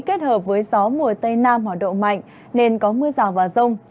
kết hợp với gió mùa tây nam hoạt động mạnh nên có mưa rào và rông